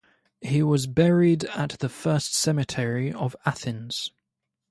He was buried at the First Cemetery of Athens.